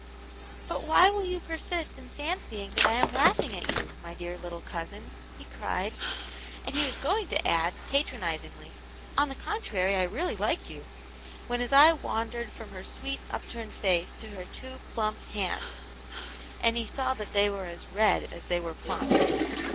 *' But why will you persist in fancying that I am laughing at you, my dear little cousin V^ he cried, and he was going on to add, patronizingly, " on' the contrary I really like you," when his eye wandered from her sweet upturned face to her two little plump hands, and he saw that they were as red as they were plump.